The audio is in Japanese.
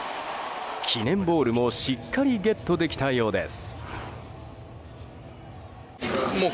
記念ボールもしっかりゲットできたようです。